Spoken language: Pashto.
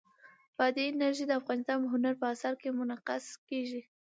بادي انرژي د افغانستان په هنر په اثار کې منعکس کېږي.